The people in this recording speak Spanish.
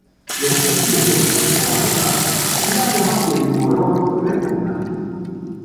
Los peciolos son algo largos y las hojas tienen un olor repugnante.